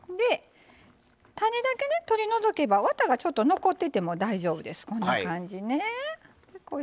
種だけ取り除けばワタがちょっと残ってても大丈夫です。